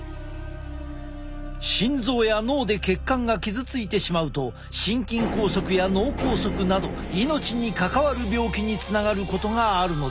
心臓や脳で血管が傷ついてしまうと心筋梗塞や脳梗塞など命に関わる病気につながることがあるのだ。